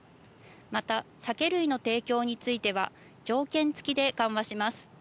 また酒類の提供については条件付きで緩和します。